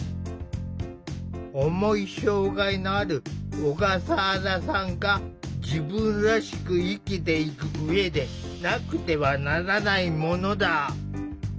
重い障害のある小笠原さんが自分らしく生きていく上でなくてはならないものだ。